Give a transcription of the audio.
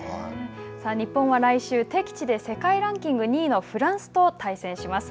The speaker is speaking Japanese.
さあ、日本は来週、敵地で世界ランキング２位のフランスと対戦します。